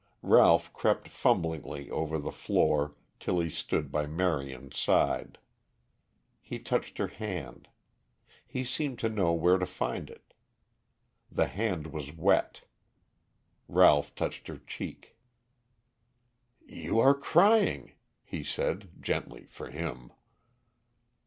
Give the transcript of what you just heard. Ralph crept fumblingly over the floor till he stood by Marion's side. He touched her hand; he seemed to know where to find it. The hand was wet. Ralph touched her cheek. "You are crying," he said, gently for him.